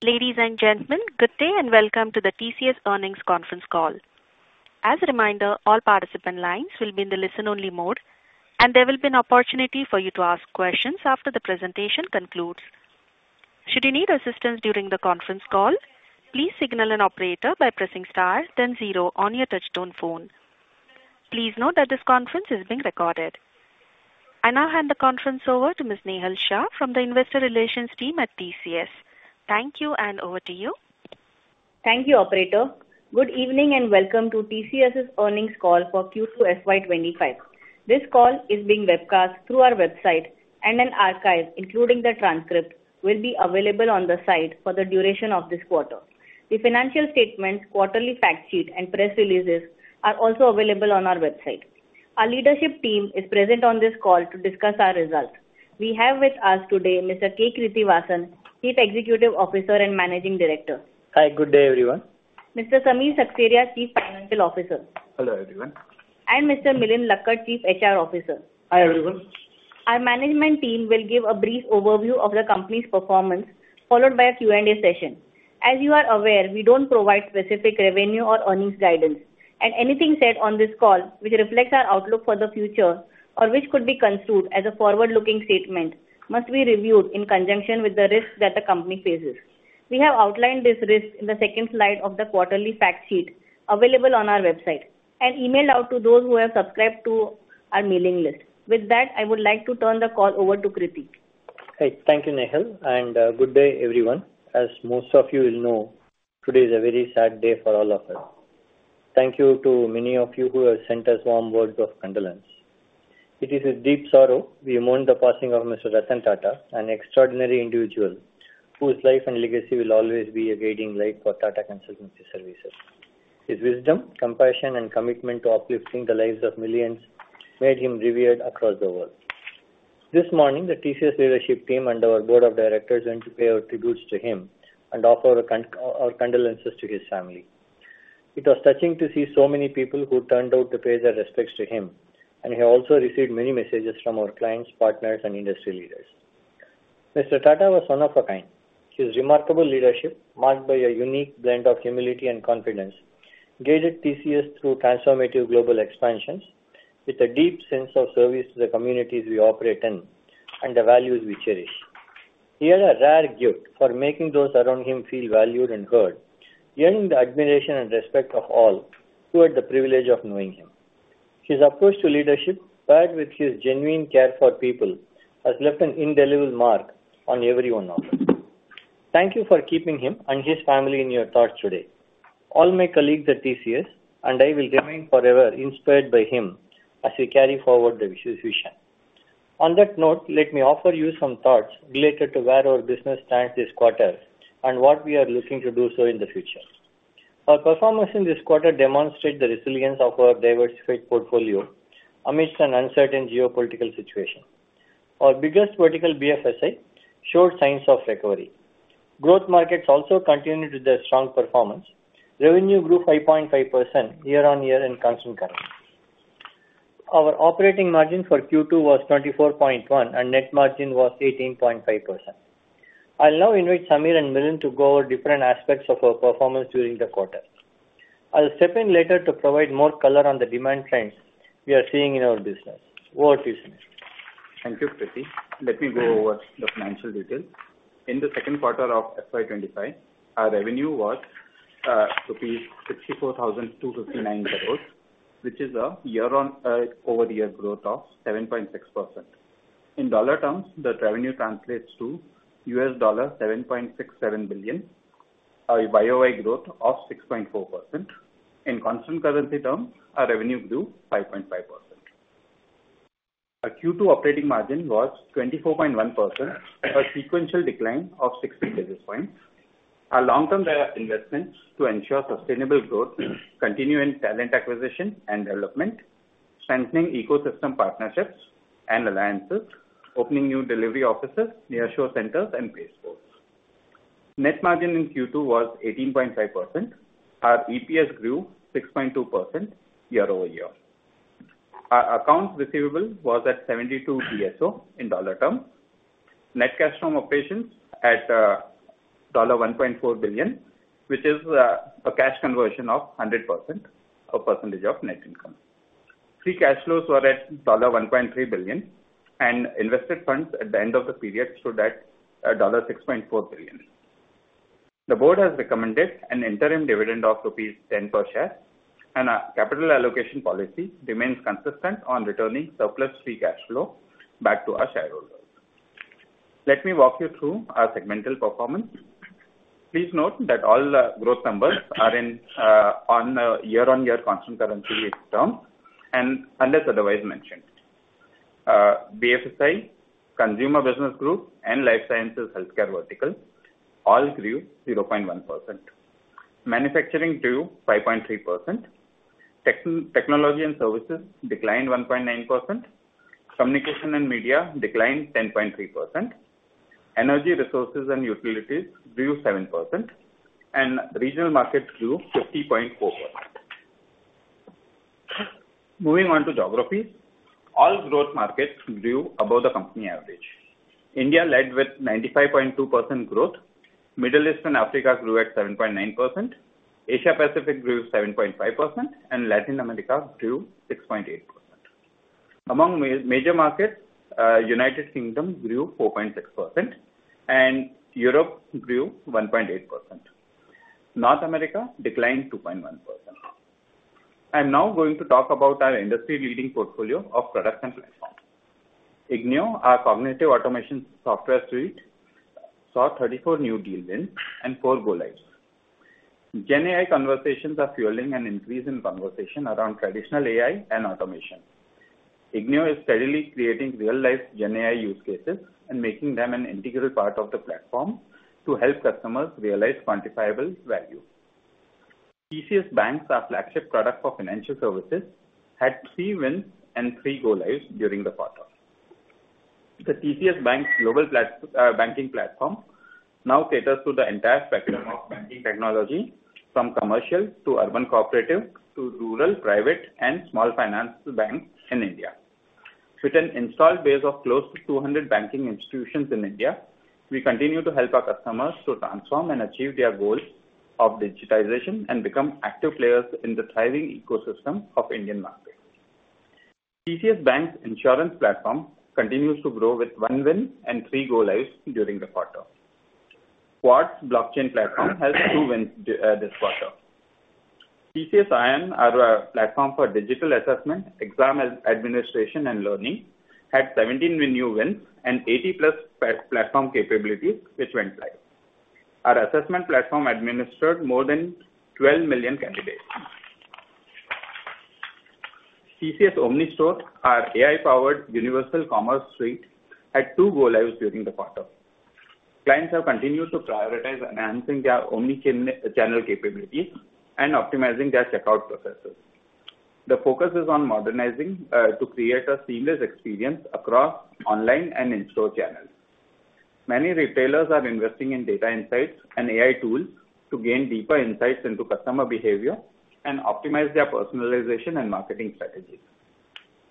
Ladies and gentlemen, good day and welcome to the TCS Earnings Conference Call. As a reminder, all participant lines will be in the listen-only mode, and there will be an opportunity for you to ask questions after the presentation concludes. Should you need assistance during the conference call, please signal an operator by pressing star, then zero on your touch-tone phone. Please note that this conference is being recorded. I now hand the conference over to Ms. Nehal Shah from the Investor Relations Team at TCS. Thank you, and over to you. Thank you, Operator. Good evening and welcome to TCS's Earnings Call for Q2 FY25. This call is being webcast through our website, and an archive, including the transcript, will be available on the site for the duration of this quarter. The financial statements, quarterly fact sheet, and press releases are also available on our website. Our leadership team is present on this call to discuss our results. We have with us today Mr. K. Krithivasan, Chief Executive Officer and Managing Director. Hi. Good day, everyone. Mr. Samir Seksaria, Chief Financial Officer. Hello, everyone. Mr. Milind Lakkad, Chief HR Officer. Hi, everyone. Our management team will give a brief overview of the company's performance, followed by a Q&A session. As you are aware, we don't provide specific revenue or earnings guidance, and anything said on this call, which reflects our outlook for the future or which could be construed as a forward-looking statement, must be reviewed in conjunction with the risks that the company faces. We have outlined these risks in the second slide of the quarterly fact sheet available on our website and emailed out to those who have subscribed to our mailing list. With that, I would like to turn the call over to K. Krithivasan. Great. Thank you, Nehal, and good day, everyone. As most of you will know, today is a very sad day for all of us. Thank you to many of you who have sent us warm words of condolence. It is with deep sorrow we mourn the passing of Mr. Ratan Tata, an extraordinary individual whose life and legacy will always be a guiding light for Tata Consultancy Services. His wisdom, compassion, and commitment to uplifting the lives of millions made him revered across the world. This morning, the TCS leadership team and our board of directors went to pay our tributes to him and offer our condolences to his family. It was touching to see so many people who turned out to pay their respects to him, and he also received many messages from our clients, partners, and industry leaders. Mr. Tata was one of a kind. His remarkable leadership, marked by a unique blend of humility and confidence, guided TCS through transformative global expansions with a deep sense of service to the communities we operate in and the values we cherish. He had a rare gift for making those around him feel valued and heard, earning the admiration and respect of all who had the privilege of knowing him. His approach to leadership, paired with his genuine care for people, has left an indelible mark on every one of us. Thank you for keeping him and his family in your thoughts today. All my colleagues at TCS and I will remain forever inspired by him as we carry forward the vision. On that note, let me offer you some thoughts related to where our business stands this quarter and what we are looking to do so in the future. Our performance in this quarter demonstrated the resilience of our diversified portfolio amidst an uncertain geopolitical situation. Our biggest vertical, BFSI, showed signs of recovery. Growth markets also continued with their strong performance. Revenue grew 5.5% year-on-year in constant currency. Our operating margin for Q2 was 24.1%, and net margin was 18.5%. I'll now invite Samir and Milind to go over different aspects of our performance during the quarter. I'll step in later to provide more color on the demand trends we are seeing in our business. Over to you, Samir. Thank you, K. Krithivasan. Let me go over the financial details. In the second quarter of FY25, our revenue was rupees 64,259, which is a year-over-year growth of 7.6%. In dollar terms, that revenue translates to $7.67 billion, a YOY growth of 6.4%. In constant currency terms, our revenue grew 5.5%. Our Q2 operating margin was 24.1%, a sequential decline of 60 basis points. Our long-term investments to ensure sustainable growth continue in talent acquisition and development, strengthening ecosystem partnerships and alliances, opening new delivery offices, nearshore centers, and Pace Ports. Net margin in Q2 was 18.5%. Our EPS grew 6.2% year-over-year. Our accounts receivable was at 72 DSO in dollar terms. Net cash from operations at $1.4 billion, which is a cash conversion of 100% of percentage of net income. Free cash flows were at $1.3 billion, and invested funds at the end of the period stood at $6.4 billion. The board has recommended an interim dividend of rupees 10 per share, and our capital allocation policy remains consistent on returning surplus free cash flow back to our shareholders. Let me walk you through our segmental performance. Please note that all growth numbers are on year-on-year constant currency terms and unless otherwise mentioned. BFSI, Consumer Business Group, and Life Sciences Healthcare verticals all grew 0.1%. Manufacturing grew 5.3%. Technology and services declined 1.9%. Communication and media declined 10.3%. Energy resources and utilities grew 7%, and regional markets grew 50.4%. Moving on to geographies, all growth markets grew above the company average. India led with 95.2% growth. Middle East and Africa grew at 7.9%. Asia-Pacific grew 7.5%, and Latin America grew 6.8%. Among major markets, United Kingdom grew 4.6%, and Europe grew 1.8%. North America declined 2.1%. I'm now going to talk about our industry-leading portfolio of products and platforms. Ignio, our cognitive automation software suite, saw 34 new deal wins and four go-lives. GenAI conversations are fueling an increase in conversation around traditional AI and automation. Ignio is steadily creating real-life GenAI use cases and making them an integral part of the platform to help customers realize quantifiable value. TCS BaNCS, our flagship product for financial services, had three wins and three go-lives during the quarter. The TCS BaNCS's global banking platform now caters to the entire spectrum of banking technology, from commercial to urban cooperative to rural, private, and small financial banks in India. With an installed base of close to 200 banking institutions in India, we continue to help our customers to transform and achieve their goals of digitization and become active players in the thriving ecosystem of the Indian market. TCS BaNCS insurance platform continues to grow with one win and three go-lives during the quarter. Quartz blockchain platform has two wins this quarter. TCS iON, our platform for digital assessment, exam, administration, and learning, had 17 new wins and 80-plus platform capabilities which went live. Our assessment platform administered more than 12 million candidates. TCS OmniStore, our AI-powered universal commerce suite, had two go-lives during the quarter. Clients have continued to prioritize enhancing their omnichannel capabilities and optimizing their checkout processes. The focus is on modernizing to create a seamless experience across online and in-store channels. Many retailers are investing in data insights and AI tools to gain deeper insights into customer behavior and optimize their personalization and marketing strategies.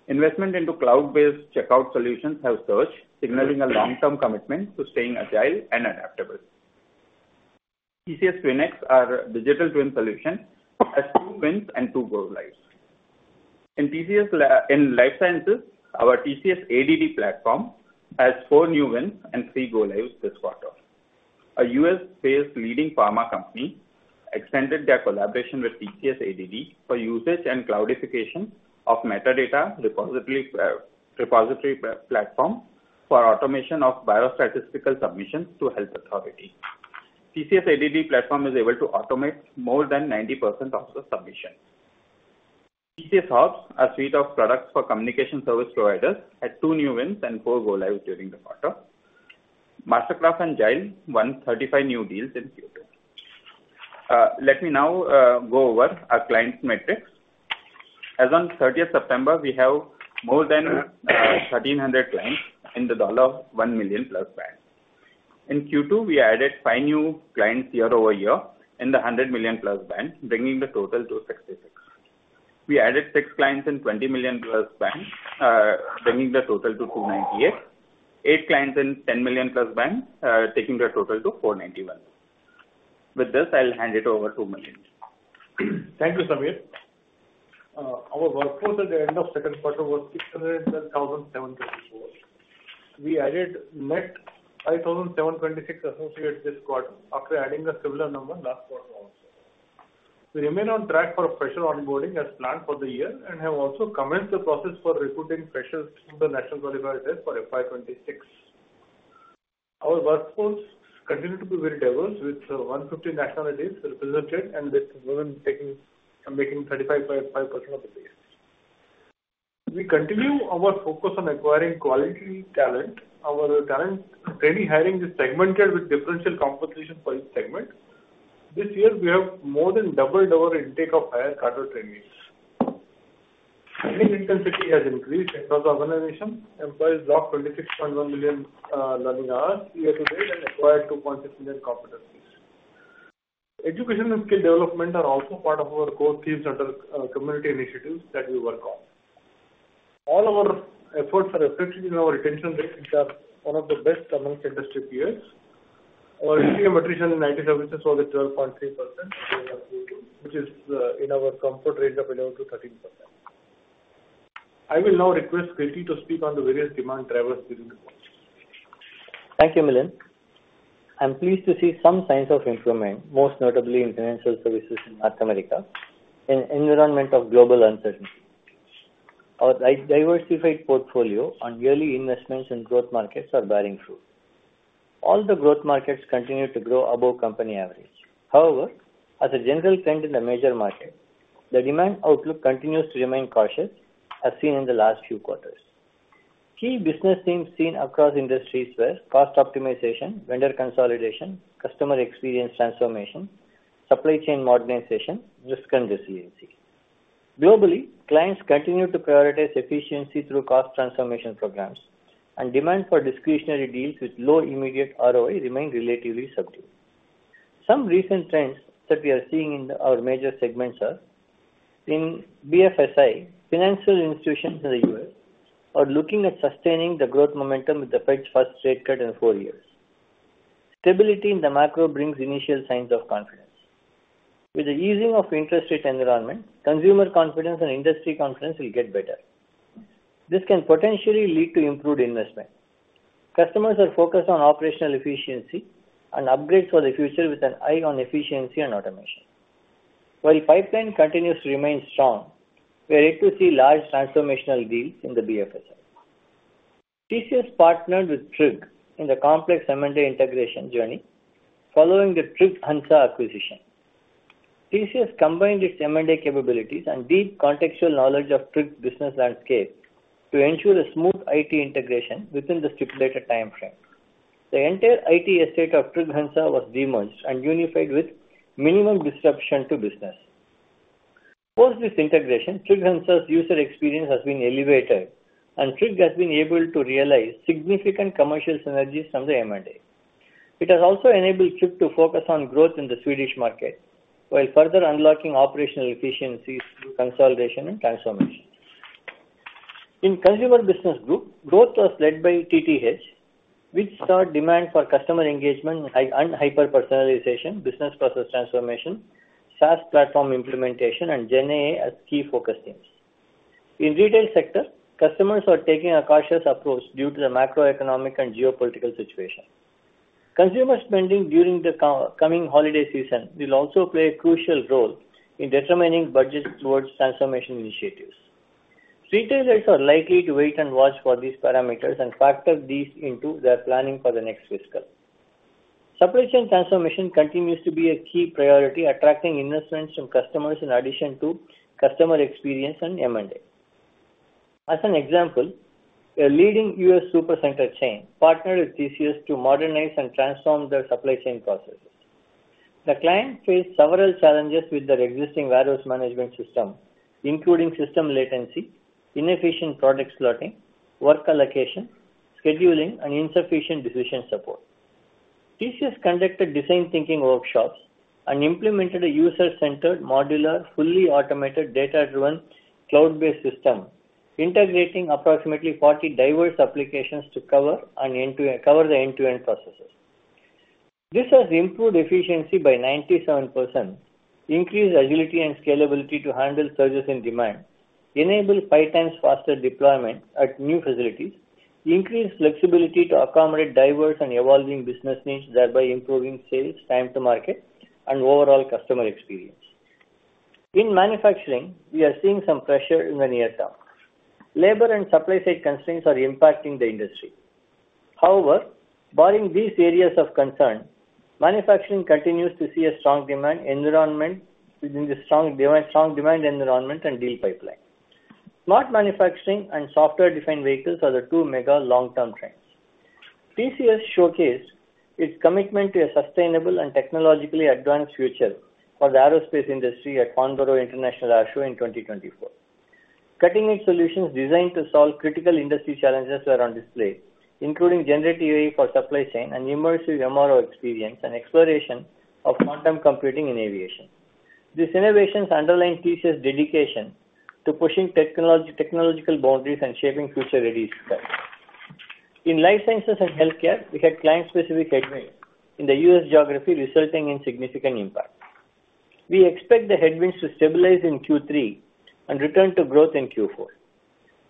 Investment into cloud-based checkout solutions has surged, signaling a long-term commitment to staying agile and adaptable. TCS TwinX, our digital twin solution, has two wins and two go-lives. In life sciences, our TCS ADD platform has four new wins and three go-lives this quarter. A U.S.-based leading pharma company extended their collaboration with TCS ADD for usage and cloudification of metadata repository platform for automation of biostatistical submissions to health authorities. TCS ADD platform is able to automate more than 90% of the submissions. TCS HOBS, our suite of products for communication service providers, had two new wins and four go-lives during the quarter. MasterCraft and Jile won 35 new deals in Q2. Let me now go over our clients' metrics. As of 30th September, we have more than 1,300 clients in the $1 million-plus band. In Q2, we added five new clients year-over-year in the $100 million-plus band, bringing the total to 66. We added six clients in the $20 million-plus band, bringing the total to 298. Eight clients in the $10 million-plus band, taking the total to 491. With this, I'll hand it over to Milind. Thank you, Samir. Our workforce at the end of the second quarter was 610,754. We added net 5,726 associates this quarter after adding a similar number last quarter also. We remain on track for a fresher onboarding as planned for the year and have also commenced the process for recruiting freshers to the National Qualifier Test for FY26. Our workforce continued to be very diverse, with 150 nationalities represented and with women making 35.5% of the base. We continue our focus on acquiring quality talent. Our talent training hiring is segmented with differential compensation for each segment. This year, we have more than doubled our intake of higher-cadre trainees. Training intensity has increased because organization employees logged 26.1 million learning hours year-to-date and acquired 2.6 million competencies. Education and skill development are also part of our core themes under community initiatives that we work on. All our efforts are reflected in our retention rate, which are one of the best amongst industry peers. Our regulated attrition in IT services was at 12.3%, which is in our comfort range of 11%-13%. I will now request Krithi to speak on the various demand drivers during the quarter. Thank you, Milind. I'm pleased to see some signs of improvement, most notably in financial services in North America in the environment of global uncertainty. Our diversified portfolio and yearly investments in growth markets are bearing fruit. All the growth markets continue to grow above company average. However, as a general trend in the major market, the demand outlook continues to remain cautious, as seen in the last few quarters. Key business themes seen across industries were cost optimization, vendor consolidation, customer experience transformation, supply chain modernization, risk, and resiliency. Globally, clients continue to prioritize efficiency through cost transformation programs, and demand for discretionary deals with low immediate ROI remained relatively subdued. Some recent trends that we are seeing in our major segments are in BFSI. Financial institutions in the US are looking at sustaining the growth momentum with the Fed's first rate cut in four years. Stability in the macro brings initial signs of confidence. With the easing of interest rate environment, consumer confidence and industry confidence will get better. This can potentially lead to improved investment. Customers are focused on operational efficiency and upgrades for the future with an eye on efficiency and automation. While pipeline continues to remain strong, we're yet to see large transformational deals in the BFSI. TCS partnered with Tryg in the complex M&A integration journey following the Trygg-Hansa acquisition. TCS combined its M&A capabilities and deep contextual knowledge of Tryg's business landscape to ensure a smooth IT integration within the stipulated time frame. The entire IT estate of Trygg-Hansa was de-merged and unified with minimum disruption to business. Post this integration, Trygg-Hansa user experience has been elevated, and Tryg has been able to realize significant commercial synergies from the M&A. It has also enabled Tryg to focus on growth in the Swedish market while further unlocking operational efficiencies through consolidation and transformation. In consumer business group, growth was led by TTH, which saw demand for customer engagement and hyper-personalization, business process transformation, SaaS platform implementation, and Gen AI as key focus themes. In retail sector, customers are taking a cautious approach due to the macroeconomic and geopolitical situation. Consumer spending during the coming holiday season will also play a crucial role in determining budgets towards transformation initiatives. Retailers are likely to wait and watch for these parameters and factor these into their planning for the next fiscal. Supply chain transformation continues to be a key priority, attracting investments from customers in addition to customer experience and M&A. As an example, a leading US supercenter chain partnered with TCS to modernize and transform their supply chain processes. The client faced several challenges with their existing various management systems, including system latency, inefficient product slotting, work allocation, scheduling, and insufficient decision support. TCS conducted design thinking workshops and implemented a user-centered, modular, fully automated, data-driven, cloud-based system, integrating approximately 40 diverse applications to cover the end-to-end processes. This has improved efficiency by 97%, increased agility and scalability to handle surges in demand, enabled five times faster deployment at new facilities, increased flexibility to accommodate diverse and evolving business needs, thereby improving sales, time-to-market, and overall customer experience. In manufacturing, we are seeing some pressure in the near term. Labor and supply-side constraints are impacting the industry. However, barring these areas of concern, manufacturing continues to see a strong demand environment and deal pipeline. Smart manufacturing and software-defined vehicles are the two mega long-term trends. TCS showcased its commitment to a sustainable and technologically advanced future for the aerospace industry at Farnborough International Airshow in 2024. Cutting-edge solutions designed to solve critical industry challenges were on display, including generative AI for supply chain and immersive MRO experience and exploration of quantum computing in aviation. These innovations underline TCS's dedication to pushing technological boundaries and shaping future ready sets. In life sciences and healthcare, we had client-specific headwinds in the U.S. geography, resulting in significant impact. We expect the headwinds to stabilize in Q3 and return to growth in Q4.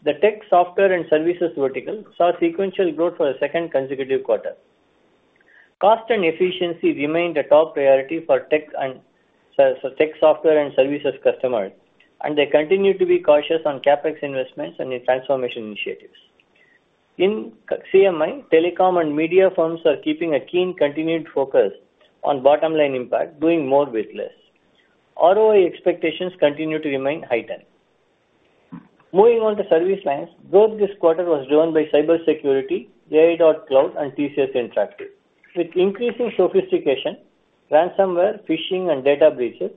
The tech, software, and services vertical saw sequential growth for the second consecutive quarter. Cost and efficiency remained a top priority for tech and tech software and services customers, and they continue to be cautious on CapEx investments and in transformation initiatives. In CMI, telecom and media firms are keeping a keen continued focus on bottom-line impact, doing more with less. ROI expectations continue to remain heightened. Moving on to service lines, growth this quarter was driven by cybersecurity, AI.Cloud, and TCS Interactive. With increasing sophistication, ransomware, phishing, and data breaches,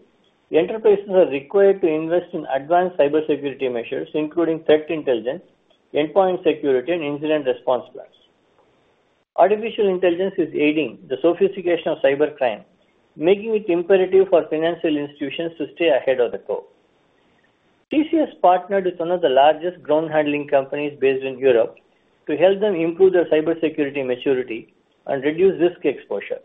enterprises are required to invest in advanced cybersecurity measures, including threat intelligence, endpoint security, and incident response plans. Artificial intelligence is aiding the sophistication of cybercrime, making it imperative for financial institutions to stay ahead of the curve. TCS partnered with one of the largest ground handling companies based in Europe to help them improve their cybersecurity maturity and reduce risk exposure.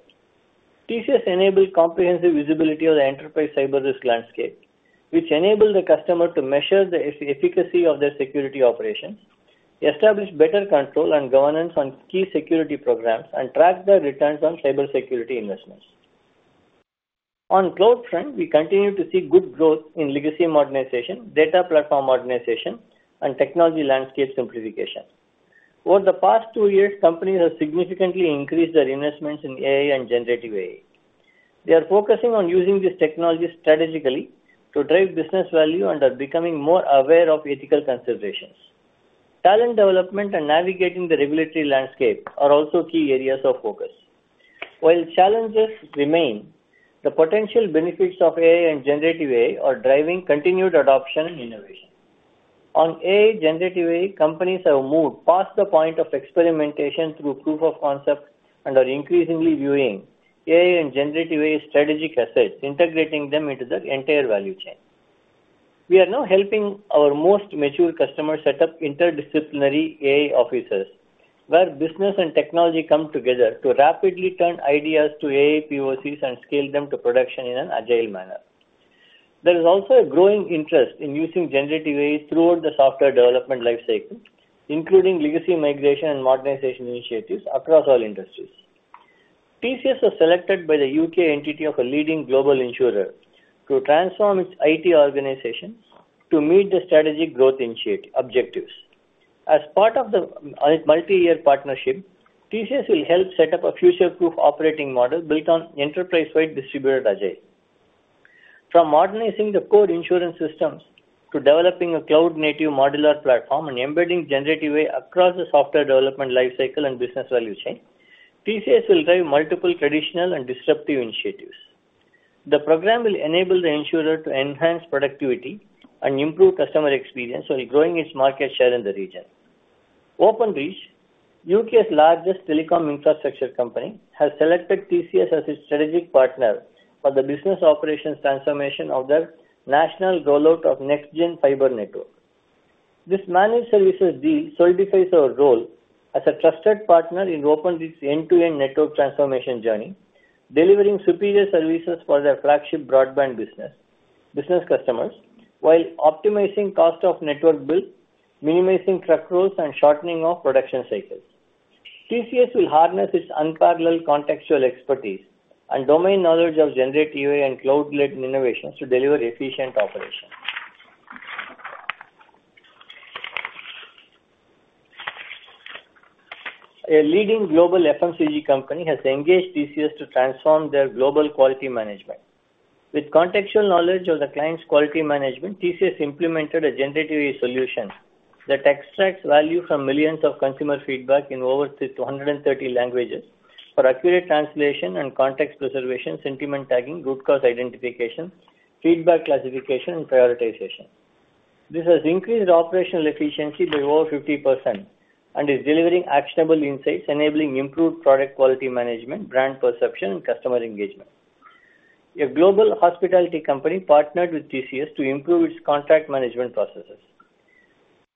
TCS enabled comprehensive visibility of the enterprise cyber risk landscape, which enabled the customer to measure the efficacy of their security operations, establish better control and governance on key security programs, and track their returns on cybersecurity investments. On the cloud front, we continue to see good growth in legacy modernization, data platform modernization, and technology landscape simplification. Over the past two years, companies have significantly increased their investments in AI and generative AI. They are focusing on using these technologies strategically to drive business value and are becoming more aware of ethical considerations. Talent development and navigating the regulatory landscape are also key areas of focus. While challenges remain, the potential benefits of AI and generative AI are driving continued adoption and innovation. On AI, generative AI, companies have moved past the point of experimentation through proof of concept and are increasingly viewing AI and generative AI as strategic assets, integrating them into the entire value chain. We are now helping our most mature customers set up interdisciplinary AI offices where business and technology come together to rapidly turn ideas to AI POCs and scale them to production in an agile manner. There is also a growing interest in using generative AI throughout the software development lifecycle, including legacy migration and modernization initiatives across all industries. TCS was selected by the UK entity of a leading global insurer to transform its IT organization to meet the strategic growth objectives. As part of the multi-year partnership, TCS will help set up a future-proof operating model built on enterprise-wide distributed agility. From modernizing the core insurance systems to developing a cloud-native modular platform and embedding generative AI across the software development lifecycle and business value chain, TCS will drive multiple traditional and disruptive initiatives. The program will enable the insurer to enhance productivity and improve customer experience while growing its market share in the region. Openreach, U.K.'s largest telecom infrastructure company, has selected TCS as its strategic partner for the business operations transformation of their national rollout of next-gen fiber network. This managed services deal solidifies our role as a trusted partner in Openreach's end-to-end network transformation journey, delivering superior services for their flagship broadband business customers while optimizing cost of network build, minimizing truck rolls, and shortening of production cycles. TCS will harness its unparalleled contextual expertise and domain knowledge of generative AI and cloud-led innovations to deliver efficient operations. A leading global FMCG company has engaged TCS to transform their global quality management. With contextual knowledge of the client's quality management, TCS implemented a generative AI solution that extracts value from millions of consumer feedback in over 230 languages for accurate translation and context preservation, sentiment tagging, root cause identification, feedback classification, and prioritization. This has increased operational efficiency by over 50% and is delivering actionable insights, enabling improved product quality management, brand perception, and customer engagement. A global hospitality company partnered with TCS to improve its contract management processes.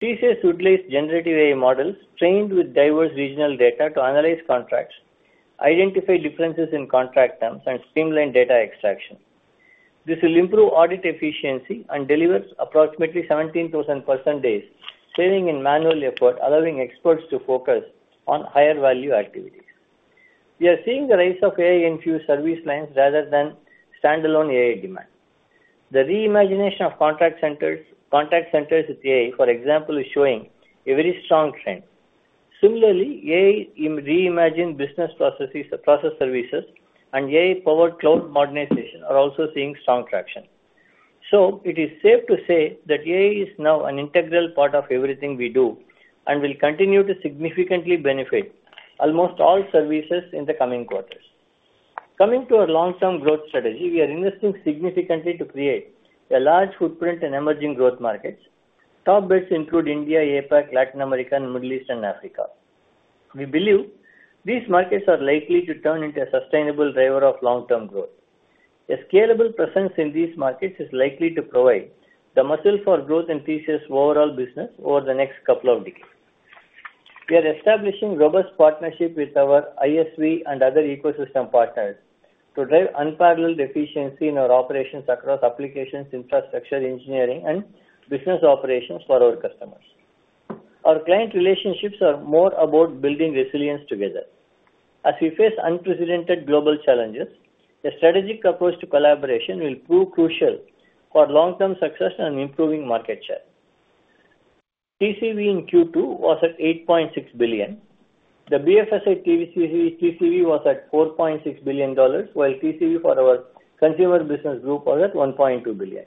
TCS utilized generative AI models trained with diverse regional data to analyze contracts, identify differences in contract terms, and streamline data extraction. This will improve audit efficiency and deliver approximately 17,000 person-days, saving in manual effort, allowing experts to focus on higher value activities. We are seeing the rise of AI-infused service lines rather than standalone AI demand. The reimagination of contact centers with AI, for example, is showing a very strong trend. Similarly, AI-reimagined business processes and AI-powered cloud modernization are also seeing strong traction. So it is safe to say that AI is now an integral part of everything we do and will continue to significantly benefit almost all services in the coming quarters. Coming to our long-term growth strategy, we are investing significantly to create a large footprint in emerging growth markets. Top bets include India, APAC, Latin America, and Middle East and Africa. We believe these markets are likely to turn into a sustainable driver of long-term growth. A scalable presence in these markets is likely to provide the muscle for growth in TCS's overall business over the next couple of decades. We are establishing robust partnerships with our ISV and other ecosystem partners to drive unparalleled efficiency in our operations across applications, infrastructure, engineering, and business operations for our customers. Our client relationships are more about building resilience together. As we face unprecedented global challenges, a strategic approach to collaboration will prove crucial for long-term success and improving market share. TCV in Q2 was at $8.6 billion. The BFSI TCV was at $4.6 billion, while TCV for our consumer business group was at $1.2 billion.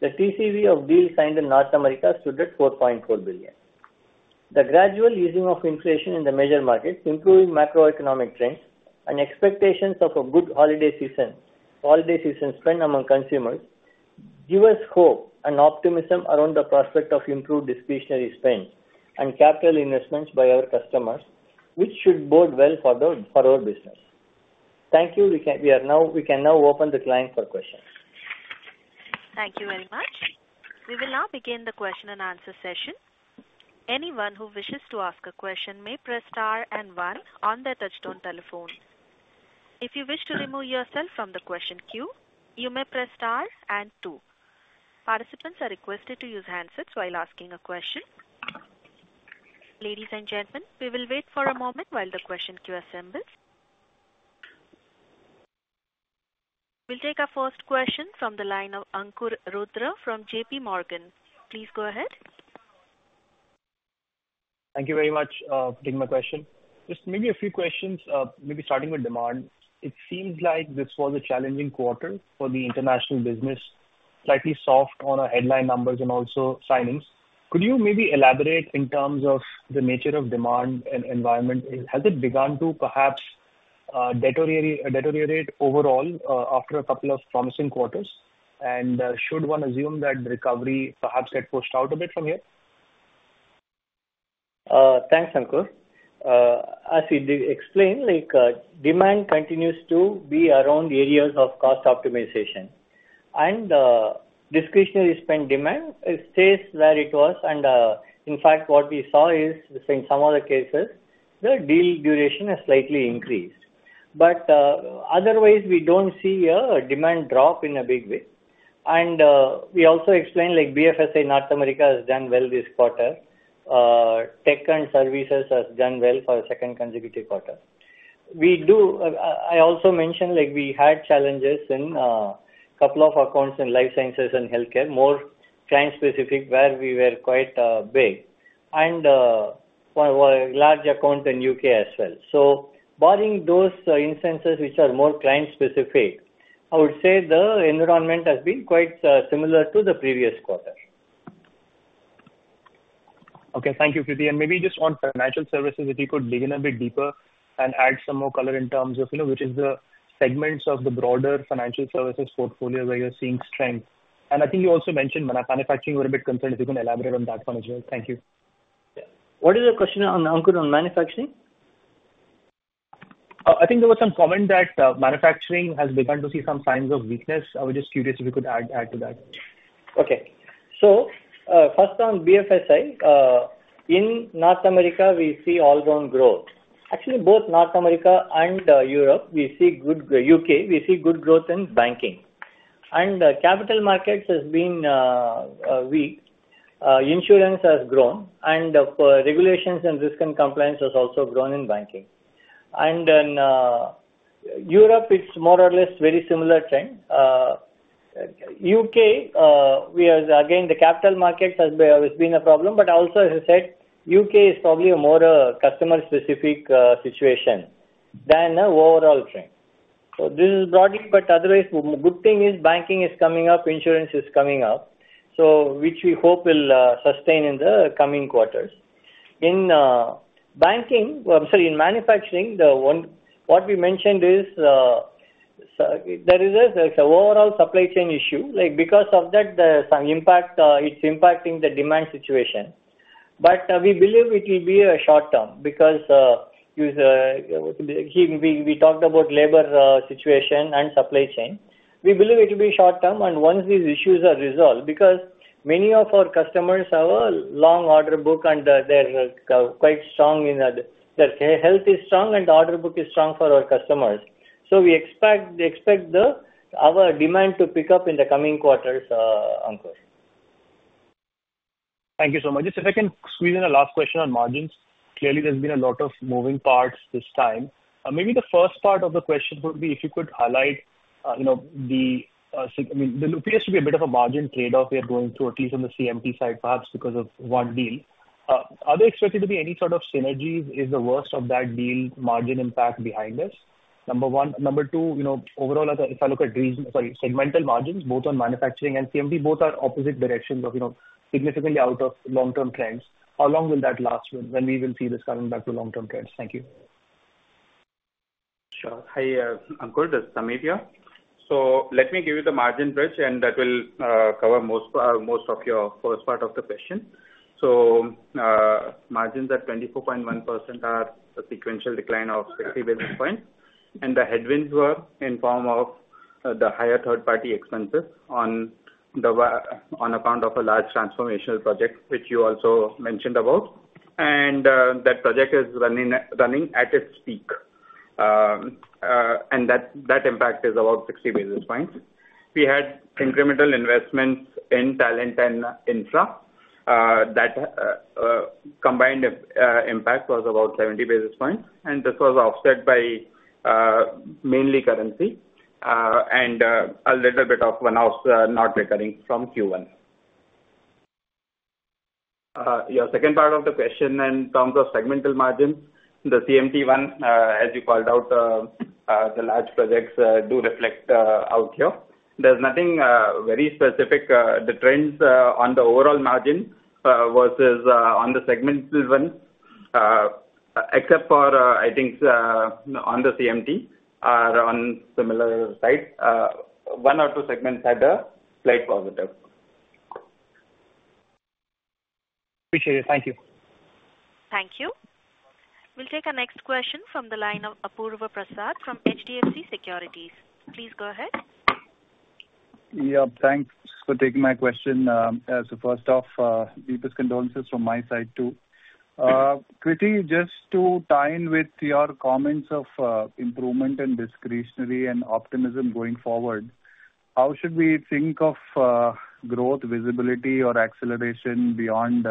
The TCV of deals signed in North America stood at $4.4 billion. The gradual easing of inflation in the major markets, improving macroeconomic trends, and expectations of a good holiday season spend among consumers give us hope and optimism around the prospect of improved discretionary spend and capital investments by our customers, which should bode well for our business. Thank you. We can now open the call for questions. Thank you very much. We will now begin the question and answer session. Anyone who wishes to ask a question may press star and one on their touch-tone telephone. If you wish to remove yourself from the question queue, you may press star and two. Participants are requested to use handsets while asking a question. Ladies and gentlemen, we will wait for a moment while the question queue assembles. We'll take our first question from the line of Ankur Rudra from J.P. Morgan. Please go ahead. Thank you very much for taking my question. Just maybe a few questions, maybe starting with demand. It seems like this was a challenging quarter for the international business, slightly soft on our headline numbers and also signings. Could you maybe elaborate in terms of the nature of demand and environment? Has it begun to perhaps deteriorate overall after a couple of promising quarters? And should one assume that the recovery perhaps had pushed out a bit from here? Thanks, Ankur. As you did explain, demand continues to be around areas of cost optimization, and discretionary spend demand stays where it was, and in fact, what we saw is in some of the cases, the deal duration has slightly increased, but otherwise, we don't see a demand drop in a big way, and we also explained BFSI North America has done well this quarter. Tech and services has done well for the second consecutive quarter. I also mentioned we had challenges in a couple of accounts in life sciences and healthcare, more client-specific, where we were quite big, and one large account in U.K. as well. So barring those instances which are more client-specific, I would say the environment has been quite similar to the previous quarter. Okay. Thank you, Krithi. And maybe just on financial services, if you could dig in a bit deeper and add some more color in terms of which is the segments of the broader financial services portfolio where you're seeing strength. And I think you also mentioned manufacturing were a bit concerned. If you can elaborate on that one as well. Thank you. What is the question on Ankur on manufacturing? I think there was some comment that manufacturing has begun to see some signs of weakness. I was just curious if you could add to that. Okay. So first on BFSI, in North America, we see all-round growth. Actually, both North America and Europe, we see good growth. UK, we see good growth in banking. Capital markets have been weak. Insurance has grown. Regulations and risk and compliance have also grown in banking. In Europe, it's more or less a very similar trend. In the U.K., again, the capital markets have been a problem. But also, as I said, the U.K. is probably a more customer-specific situation than the overall trend. This is broadly. But otherwise, the good thing is banking is coming up. Insurance is coming up, which we hope will sustain in the coming quarters. In manufacturing, what we mentioned is there is an overall supply chain issue. Because of that, its impact is impacting the demand situation. But we believe it will be short term because we talked about labor situation and supply chain. We believe it will be short term. And once these issues are resolved, because many of our customers have a long order book and they're quite strong. Their health is strong and the order book is strong for our customers. So we expect our demand to pick up in the coming quarters, Ankur. Thank you so much. Just if I can squeeze in a last question on margins. Clearly, there's been a lot of moving parts this time. Maybe the first part of the question would be if you could highlight. I mean, there appears to be a bit of a margin trade-off we're going through, at least on the CMT side, perhaps because of one deal. Are there expected to be any sort of synergies? Is the worst of that deal margin impact behind us? Number one. Number two, overall, if I look at segmental margins, both on manufacturing and CMT, both are opposite directions of significantly out of long-term trends. How long will that last when we will see this coming back to long-term trends? Thank you. Sure. Hi, Ankur. This is Samir here. So let me give you the margin bridge, and that will cover most of your first part of the question. So margins at 24.1% are a sequential decline of 60 basis points. And the headwinds were in the form of the higher third-party expenses on account of a large transformational project, which you also mentioned about. And that project is running at its peak. And that impact is about 60 basis points. We had incremental investments in talent and infra. That combined impact was about 70 basis points. And this was offset by mainly currency and a little bit of one-offs not recurring from Q1. Your second part of the question in terms of segmental margins, the CMT one, as you called out, the large projects do reflect out here. There's nothing very specific. The trends on the overall margin versus on the segmental one, except for, I think, on the CMT or on similar sides, one or two segments had a slight positive. Appreciate it. Thank you. Thank you. We'll take our next question from the line of Apurva Prasad from HDFC Securities. Please go ahead. Yep. Thanks for taking my question. So first off, deepest condolences from my side too. Krithi, just to tie in with your comments of improvement and discretionary and optimism going forward, how should we think of growth, visibility, or acceleration beyond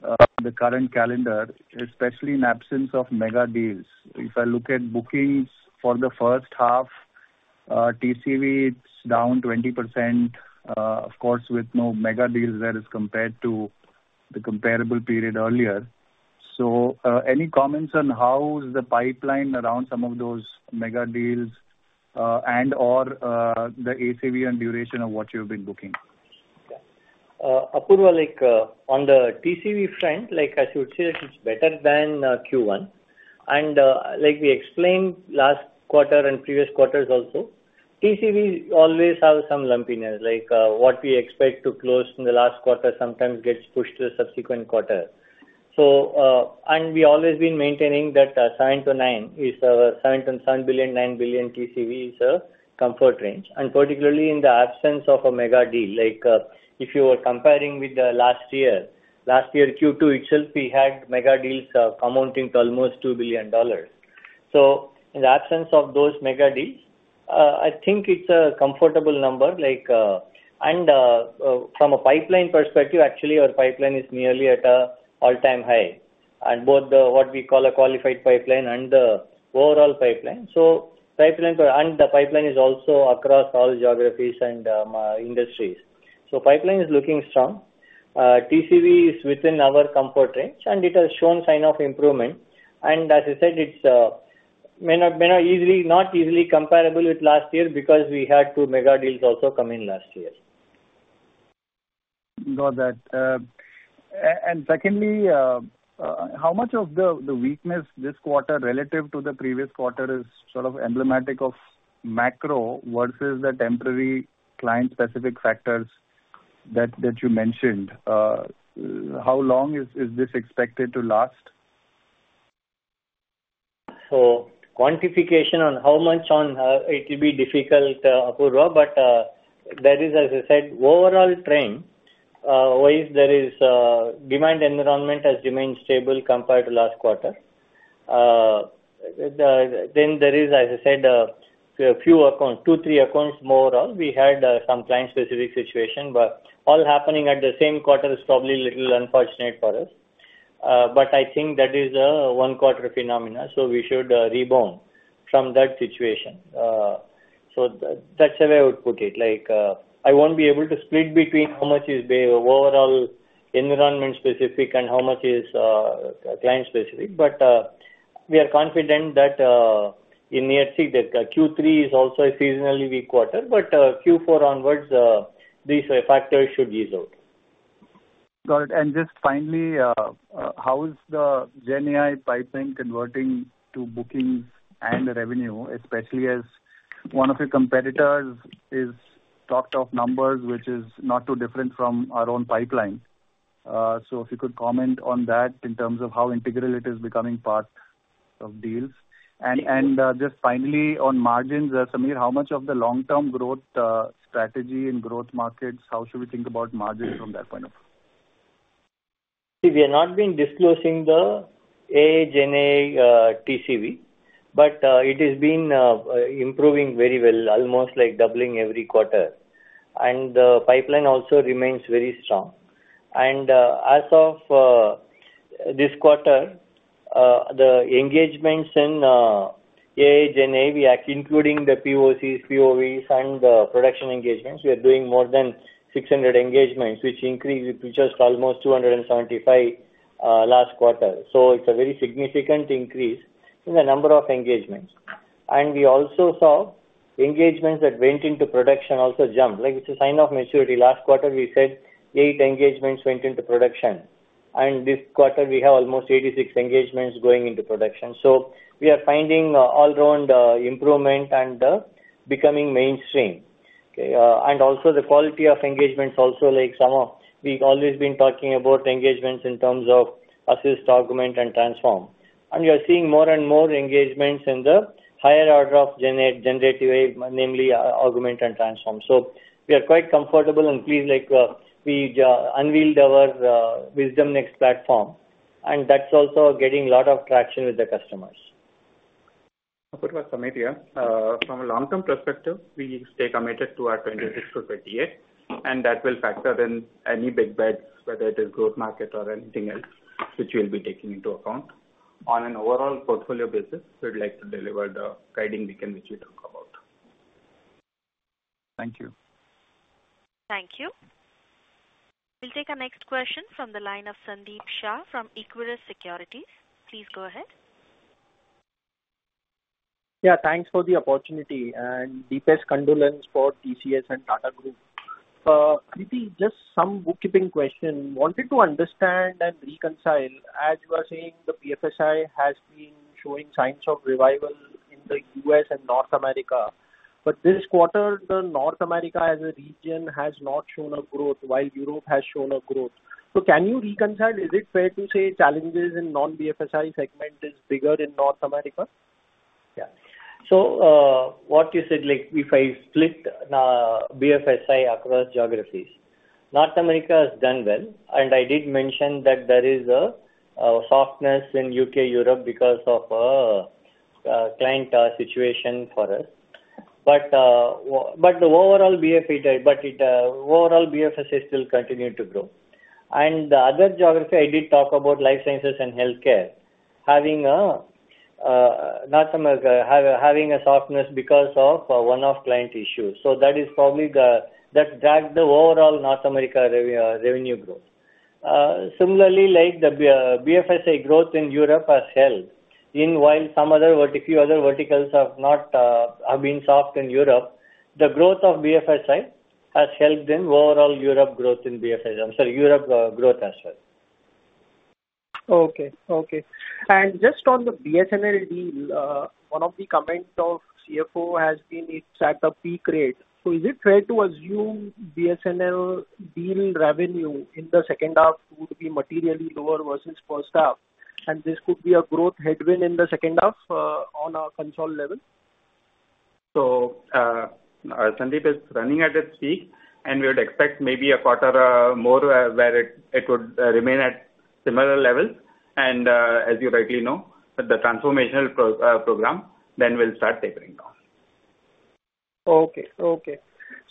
the current calendar, especially in absence of mega deals? If I look at bookings for the first half, TCV is down 20%, of course, with no mega deals there as compared to the comparable period earlier. So any comments on how is the pipeline around some of those mega deals and/or the ACV and duration of what you've been booking? On the TCV front, I should say it's better than Q1. And like we explained last quarter and previous quarters also, TCVs always have some lumpiness. What we expect to close in the last quarter sometimes gets pushed to the subsequent quarter. And we've always been maintaining that 7 to 9 is $7.7 billion, $9 billion TCV is a comfort range. And particularly in the absence of a mega deal. If you were comparing with the last year, last year Q2 itself, we had mega deals amounting to almost $2 billion. So in the absence of those mega deals, I think it's a comfortable number. And from a pipeline perspective, actually, our pipeline is nearly at an all-time high. And both what we call a qualified pipeline and the overall pipeline. And the pipeline is also across all geographies and industries. So pipeline is looking strong. TCV is within our comfort range, and it has shown signs of improvement. And as I said, it's not easily comparable with last year because we had two mega deals also come in last year. Got that. And secondly, how much of the weakness this quarter relative to the previous quarter is sort of emblematic of macro versus the temporary client-specific factors that you mentioned? How long is this expected to last? So quantification on how much it will be difficult, Ankur, but there is, as I said, overall trend. The demand environment has remained stable compared to last quarter. Then there is, as I said, a few accounts, two, three accounts more of. We had some client-specific situation, but all happening at the same quarter is probably a little unfortunate for us. But I think that is a one-quarter phenomenon, so we should rebound from that situation. So that's the way I would put it. I won't be able to split between how much is overall environment-specific and how much is client-specific. But we are confident that Q3 is also a seasonally weak quarter. But Q4 onwards, these factors should ease out. Got it. And just finally, how is the GenAI pipeline converting to bookings and revenue, especially as one of your competitors is talked of numbers, which is not too different from our own pipeline? So if you could comment on that in terms of how integral it is becoming part of deals. And just finally, on margins, Samir, how much of the long-term growth strategy and growth markets, how should we think about margins from that point of view? We are not disclosing the GenAI TCV, but it has been improving very well, almost like doubling every quarter. And the pipeline also remains very strong. And as of this quarter, the engagements in GenAI, including the POCs, POVs, and the production engagements, we are doing more than 600 engagements, which increased just almost 275 last quarter. So it's a very significant increase in the number of engagements. And we also saw engagements that went into production also jump. It's a sign of maturity. Last quarter, we said eight engagements went into production. And this quarter, we have almost 86 engagements going into production. So we are finding all-round improvement and becoming mainstream. And also, the quality of engagements also like some of we've always been talking about engagements in terms of assist, augment, and transform. And we are seeing more and more engagements in the higher order of generative AI, namely augment and transform. So we are quite comfortable and pleased we unveiled our WisdomNext platform. And that's also getting a lot of traction with the customers. Ankur, Samir here. From a long-term perspective, we stay committed to our 26%-30%. And that will factor in any big bets, whether it is growth market or anything else, which we'll be taking into account. On an overall portfolio basis, we'd like to deliver the guiding range which we talk about. Thank you. Thank you. We'll take our next question from the line of Sandeep Shah from Equurus Securities. Please go ahead. Yeah. Thanks for the opportunity. And deepest condolences for TCS and Tata Group. Krithi, just some bookkeeping question. Wanted to understand and reconcile. As you are saying, the BFSI has been showing signs of revival in the US and North America. But this quarter, the North America as a region has not shown a growth, while Europe has shown a growth. So can you reconcile? Is it fair to say challenges in non-BFSI segment is bigger in North America? Yeah. So what you said, if I split BFSI across geographies, North America has done well. And I did mention that there is a softness in UK, Europe because of client situation for us. But the overall BFSI still continued to grow. And the other geography, I did talk about life sciences and healthcare, having a softness because of one-off client issues. That is probably what dragged the overall North America revenue growth. Similarly, the BFSI growth in Europe has held. While some other, a few other verticals have been soft in Europe, the growth of BFSI has helped in overall Europe growth in BFSI. I'm sorry, Europe growth as well. Okay. Okay. And just on the BSNL deal, one of the comments of CFO has been it's at a peak rate. So is it fair to assume BSNL deal revenue in the second half would be materially lower versus first half? And this could be a growth headwind in the second half on a consolidated level? So BSNL is running at its peak, and we would expect maybe a quarter more where it would remain at similar levels. And as you rightly know, the transformational program then will start tapering down. Okay. Okay.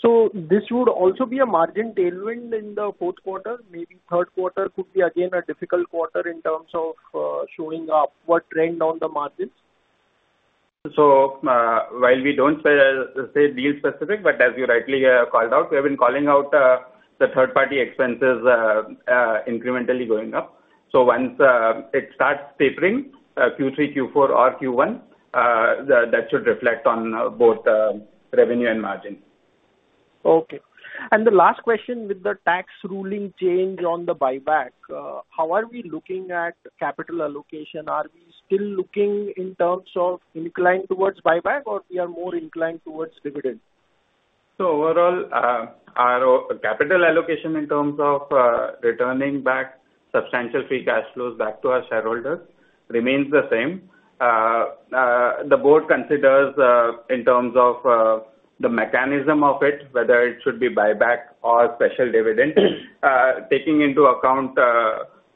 So this would also be a margin tailwind in the fourth quarter? Maybe third quarter could be again a difficult quarter in terms of showing upward trend on the margins? So while we don't say deal specific, but as you rightly called out, we have been calling out the third-party expenses incrementally going up. So once it starts tapering Q3, Q4, or Q1, that should reflect on both revenue and margin. Okay. And the last question with the tax ruling change on the buyback, how are we looking at capital allocation? Are we still looking in terms of inclined towards buyback, or we are more inclined towards dividend? So overall, our capital allocation in terms of returning back substantial free cash flows back to our shareholders remains the same. The board considers in terms of the mechanism of it, whether it should be buyback or special dividend, taking into account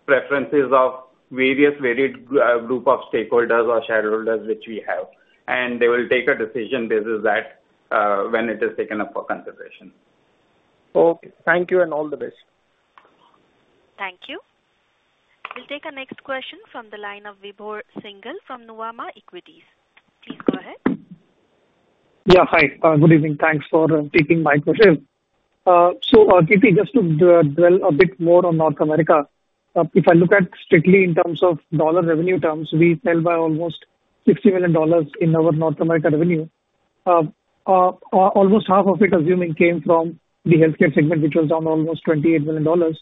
preferences of various varied group of stakeholders or shareholders which we have. And they will take a decision basis that when it is taken up for consideration. Okay. Thank you and all the best. Thank you. We'll take our next question from the line of Vibhor Singhal from Nuvama Equities. Please go ahead. Yeah. Hi. Good evening. Thanks for taking my question. So Krithi, just to dwell a bit more on North America, if I look at strictly in terms of dollar revenue terms, we fell by almost $60 million in our North America revenue. Almost half of it, assuming, came from the healthcare segment, which was down almost $28 million.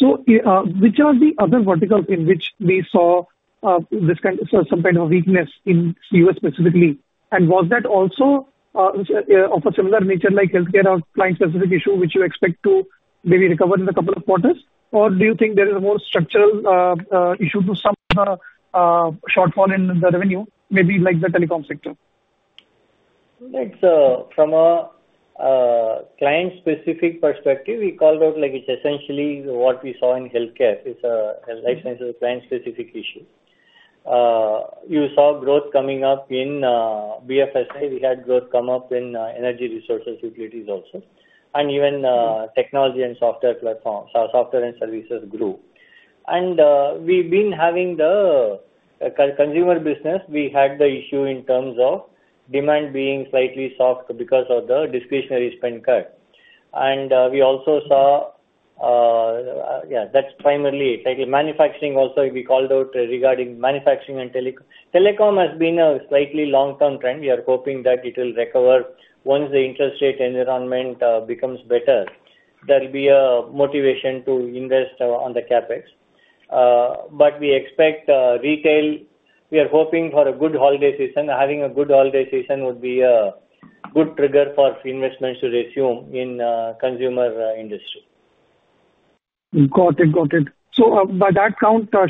So which are the other verticals in which we saw some kind of weakness in the US specifically? Was that also of a similar nature like healthcare or client-specific issue which you expect to maybe recover in a couple of quarters? Or do you think there is a more structural issue to some shortfall in the revenue, maybe like the telecom sector? From a client-specific perspective, we called out it's essentially what we saw in healthcare. It's a life sciences client-specific issue. You saw growth coming up in BFSI. We had growth come up in energy resources, utilities also. And even technology and software platforms, software and services grew. And we've been having the consumer business, we had the issue in terms of demand being slightly soft because of the discretionary spend cut. And we also saw, yeah, that's primarily it. Manufacturing also, we called out regarding manufacturing and telecom. Telecom has been a slightly long-term trend. We are hoping that it will recover once the interest rate environment becomes better. There will be a motivation to invest on the CapEx. But we expect retail, we are hoping for a good holiday season. Having a good holiday season would be a good trigger for investments to resume in the consumer industry. Got it. Got it. So by that count, are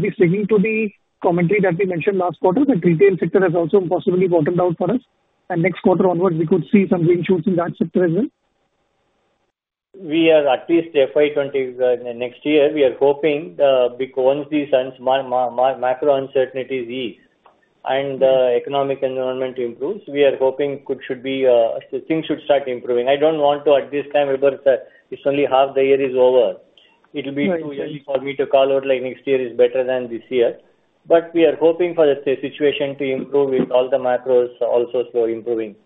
we sticking to the commentary that we mentioned last quarter that retail sector has also possibly bottomed out for us? And next quarter onwards, we could see some green shoots in that sector as well? We are at least FY20 next year. We are hoping because these macro uncertainties ease and the economic environment improves, we are hoping things should start improving. I don't want to at this time, Vibhor, it's only half the year is over. It will be too early for me to call out next year is better than this year. But we are hoping for the situation to improve with all the macros also slowly improving.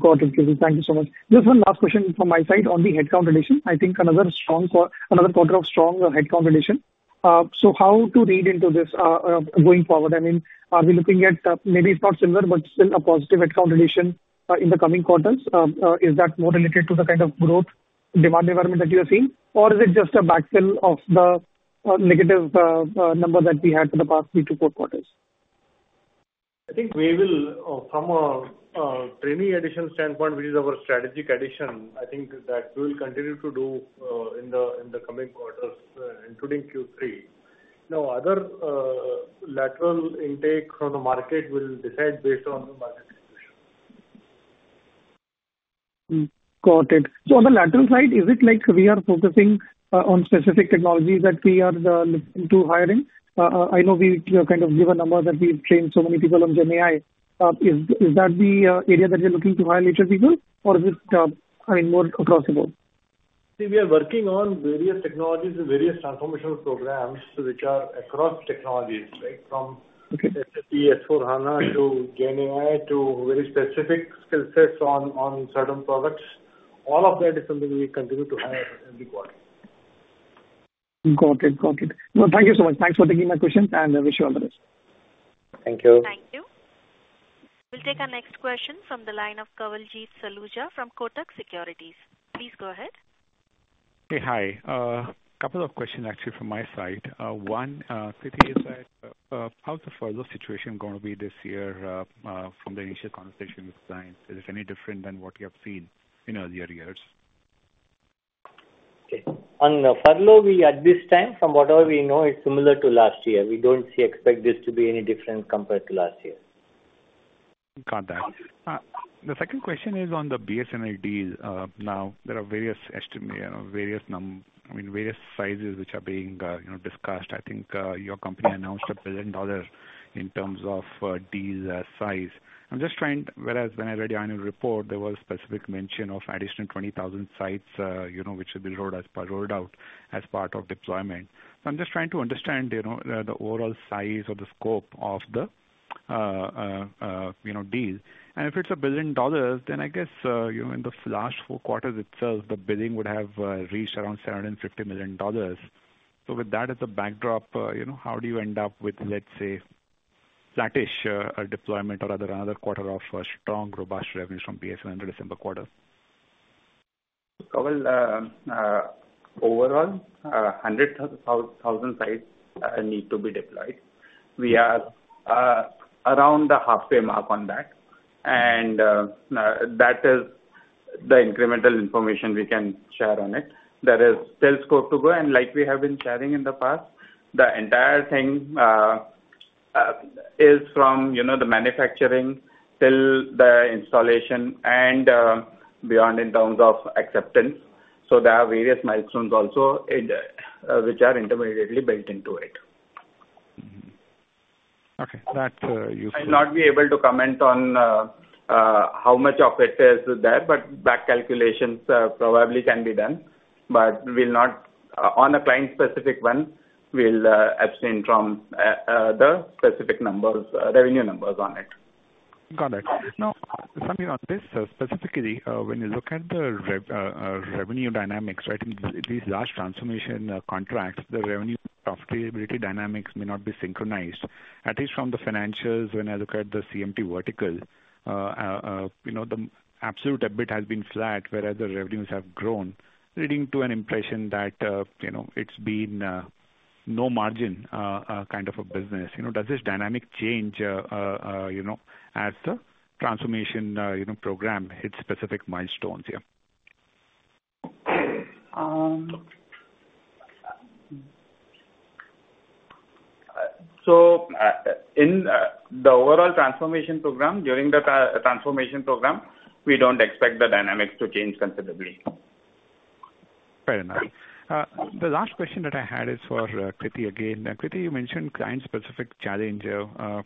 Got it. Thank you so much. Just one last question from my side on the headcount addition. I think another quarter of strong headcount addition. So how to read into this going forward? I mean, are we looking at maybe it's not similar, but still a positive headcount addition in the coming quarters? Is that more related to the kind of growth demand environment that you have seen? Or is it just a backfill of the negative number that we had for the past three to four quarters? I think we will, from a hiring addition standpoint, which is our strategic addition, I think that we will continue to do in the coming quarters, including Q3. Now, other lateral intake from the market will decide based on the market situation. Got it. So on the lateral side, is it like we are focusing on specific technologies that we are looking to hiring? I know we kind of give a number that we've trained so many people on GenAI. Is that the area that you're looking to hire lateral people? Or is it, I mean, more across the board? We are working on various technologies and various transformational programs which are across technologies, from SSE, S/4HANA to GenAI to very specific skill sets on certain products. All of that is something we continue to hire every quarter. Got it. Got it. Thank you so much. Thanks for taking my questions, and I wish you all the best. Thank you. Thank you. We'll take our next question from the line of Kawaljeet Saluja from Kotak Securities. Please go ahead. Hey, hi. A couple of questions actually from my side. One, Krithivasan, is that how's the furlough situation going to be this year from the initial conversation with clients? Is it any different than what you have seen in earlier years? Okay. On the furlough, at this time, from whatever we know, it's similar to last year. We don't expect this to be any different compared to last year. Got that. The second question is on the BSNL deals. Now, there are various estimates, various numbers, I mean, various sizes which are being discussed. I think your company announced $1 billion in terms of deals size. I'm just trying to, whereas when I read your annual report, there was a specific mention of additional 20,000 sites which will be rolled out as part of deployment. So I'm just trying to understand the overall size or the scope of the deal. And if it's $1 billion, then I guess in the last four quarters itself, the billing would have reached around $750 million. So with that as a backdrop, how do you end up with, let's say, flattish deployment or another quarter of strong, robust revenue from BSNL under December quarter? Overall, 100,000 sites need to be deployed. We are around the halfway mark on that. And that is the incremental information we can share on it. There is still scope to go. And like we have been sharing in the past, the entire thing is from the manufacturing till the installation and beyond in terms of acceptance. So there are various milestones also which are intermediately built into it. Okay. That's useful. I'll not be able to comment on how much of it is there, but back calculations probably can be done. But on a client-specific one, we'll abstain from the specific revenue numbers on it. Got it. Now, something on this specifically, when you look at the revenue dynamics, right, in these large transformation contracts, the revenue profitability dynamics may not be synchronized. At least from the financials, when I look at the CMT vertical, the absolute EBIT has been flat, whereas the revenues have grown, leading to an impression that it's been no margin kind of a business. Does this dynamic change as the transformation program hits specific milestones here? So in the overall transformation program, during the transformation program, we don't expect the dynamics to change considerably. Fair enough. The last question that I had is for Krithivasan again. Krithivasan, you mentioned client-specific challenge. Actually,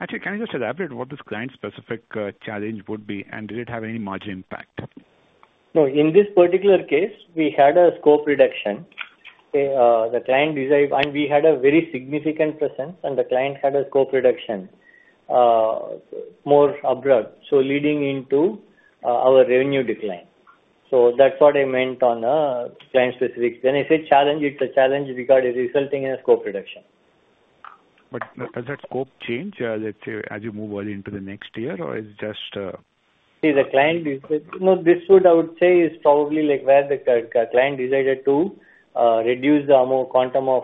can you just elaborate what this client-specific challenge would be, and did it have any margin impact? No. In this particular case, we had a scope reduction. The client desired, and we had a very significant presence, and the client had a scope reduction more abrupt, so leading into our revenue decline. So that's what I meant on client-specific. When I say challenge, it's a challenge regarding resulting in a scope reduction. But does that scope change, let's say, as you move into the next year, or is it just? See, the client, no, this would, I would say, is probably where the client decided to reduce the quantum of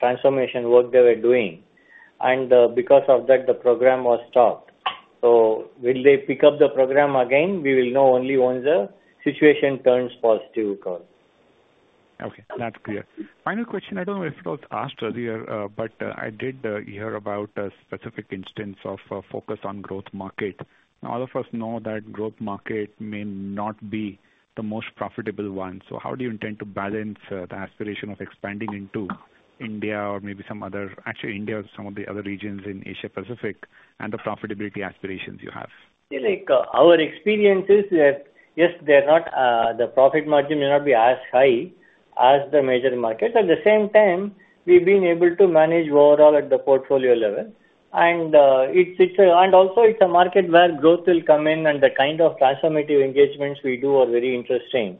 transformation work they were doing. And because of that, the program was stopped. So will they pick up the program again? We will know only once the situation turns positive because. Okay. That's clear. Final question. I don't know if it was asked earlier, but I did hear about a specific instance of focus on growth market. Now, all of us know that growth market may not be the most profitable one. So how do you intend to balance the aspiration of expanding into India or maybe some other, actually, India or some of the other regions in Asia-Pacific and the profitability aspirations you have? Our experience is that, yes, the profit margin may not be as high as the major markets. At the same time, we've been able to manage overall at the portfolio level. And also, it's a market where growth will come in, and the kind of transformative engagements we do are very interesting.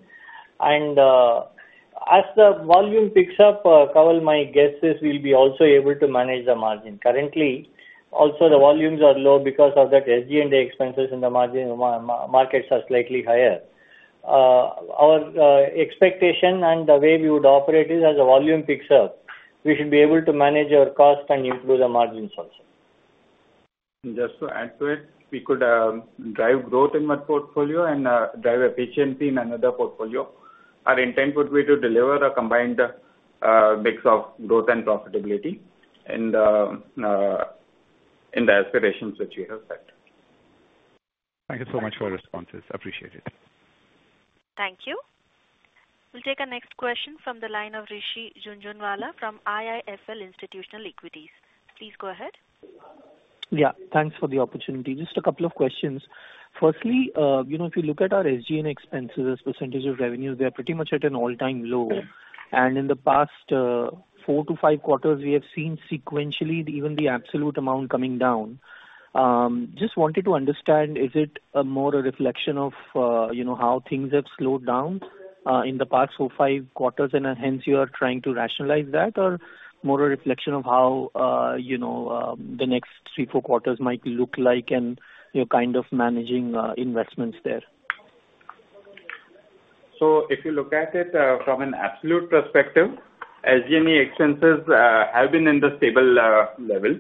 And as the volume picks up, my guess is we'll be also able to manage the margin. Currently, also, the volumes are low because of that SG&A expenses, and the markets are slightly higher. Our expectation and the way we would operate is as the volume picks up, we should be able to manage our cost and improve the margins also. Just to add to it, we could drive growth in one portfolio and drive efficiency in another portfolio. Our intent would be to deliver a combined mix of growth and profitability in the aspirations that you have set. Thank you so much for your responses. Appreciate it. Thank you. We'll take our next question from the line of Rishi Jhunjhunwala from IIFL Institutional Equities. Please go ahead. Yeah. Thanks for the opportunity. Just a couple of questions. Firstly, if you look at our SG&A expenses as percentage of revenue, they are pretty much at an all-time low. And in the past four to five quarters, we have seen sequentially even the absolute amount coming down. Just wanted to understand, is it more a reflection of how things have slowed down in the past four or five quarters, and hence you are trying to rationalize that, or more a reflection of how the next three or four quarters might look like and your kind of managing investments there? So if you look at it from an absolute perspective, SG&A expenses have been in the stable level.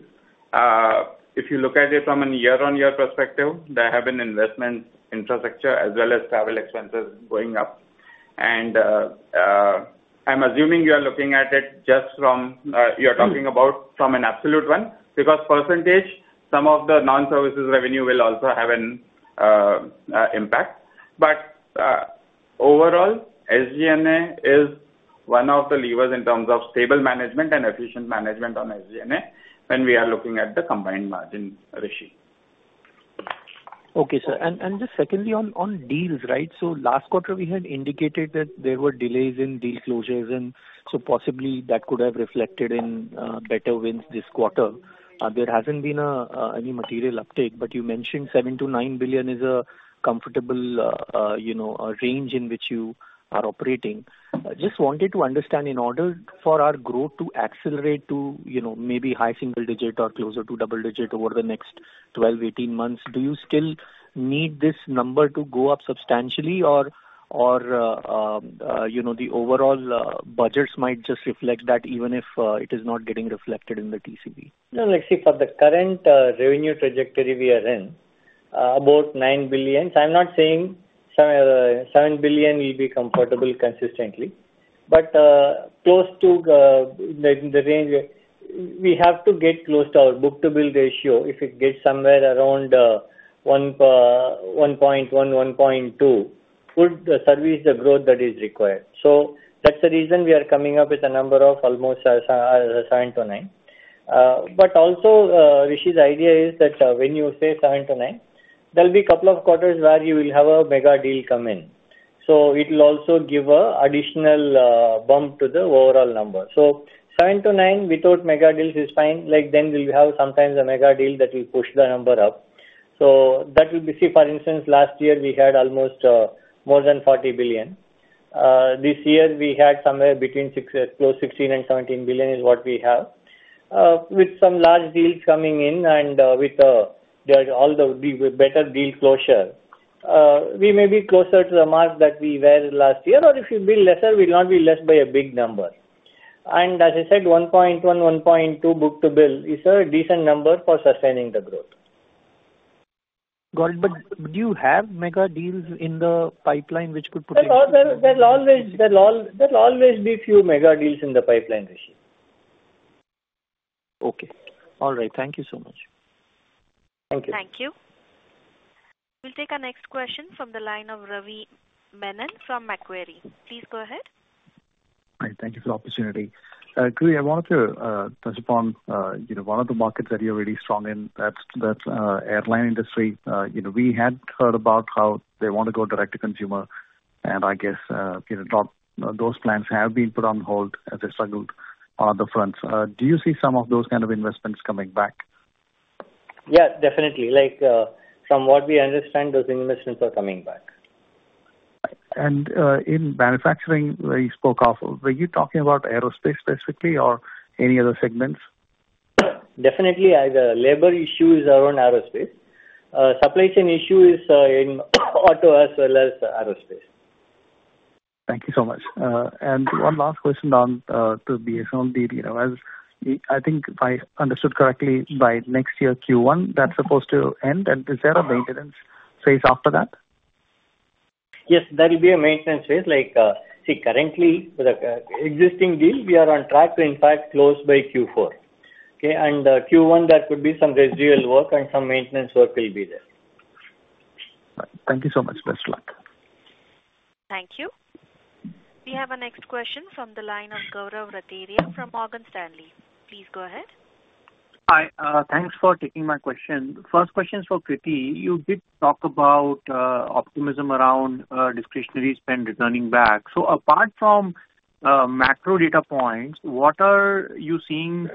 If you look at it from a year-on-year perspective, there have been investments, infrastructure, as well as travel expenses going up. And I'm assuming you are looking at it just from—you're talking about from an absolute one because percentage, some of the non-services revenue will also have an impact. But overall, SG&A is one of the levers in terms of stable management and efficient management on SG&A when we are looking at the combined margin, Rishi. Okay, sir. And just secondly, on deals, right? So last quarter, we had indicated that there were delays in deal closures, and so possibly that could have reflected in better wins this quarter. There hasn't been any material uptake, but you mentioned $7-$9 billion is a comfortable range in which you are operating. Just wanted to understand, in order for our growth to accelerate to maybe high single-digit or closer to double-digit over the next 12-18 months, do you still need this number to go up substantially, or the overall budgets might just reflect that even if it is not getting reflected in the TCV? No, let's see. For the current revenue trajectory we are in, about $9 billion. I'm not saying $7 billion will be comfortable consistently, but close to the range we have to get close to our book-to-bill ratio. If it gets somewhere around 1.1, 1.2, it would service the growth that is required. So that's the reason we are coming up with a number of almost $7-$9 billion. But also, Rishi's idea is that when you say $7-$9 billion, there'll be a couple of quarters where you will have a mega deal come in. So it will also give an additional bump to the overall number. So $7-$9 billion without mega deals is fine. Then we'll have sometimes a mega deal that will push the number up. So that will be. See, for instance, last year, we had almost more than $40 billion. This year, we had somewhere between close to $16 and $17 billion is what we have. With some large deals coming in and with all the better deal closure, we may be closer to the mark that we were last year, or if we'll be lesser, we'll not be less by a big number. And as I said, 1.1-1.2 book-to-bill is a decent number for sustaining the growth. Got it. But do you have mega deals in the pipeline which could potentially? There'll always be a few mega deals in the pipeline, Rishi. Okay. All right. Thank you so much. Thank you. Thank you. We'll take our next question from the line of Ravi Menon from Macquarie. Please go ahead. All right. Thank you for the opportunity. Krithi, I wanted to touch upon one of the markets that you're really strong in, that's the airline industry. We had heard about how they want to go direct-to-consumer, and I guess those plans have been put on hold as they struggled on other fronts. Do you see some of those kind of investments coming back? Yeah, definitely. From what we understand, those investments are coming back. In manufacturing, you spoke of. Were you talking about aerospace specifically or any other segments? Definitely. The labor issue is around aerospace. Supply chain issue is in auto as well as aerospace. Thank you so much. One last question to BSNL deal. I think I understood correctly, by next year, Q1, that's supposed to end. Is there a maintenance phase after that?y Yes, there will be a maintenance phase. See, currently, with the existing deal, we are on track to, in fact, close by Q4. Okay? Q1, there could be some residual work and some maintenance work will be there. Thank you so much. Best of luck. Thank you. We have our next question from the line of Gaurav Rateria from Morgan Stanley. Please go ahead. Hi. Thanks for taking my question. First question is for K. Krithivasan. You did talk about optimism around discretionary spend returning back. So apart from macro data points, what are you seeing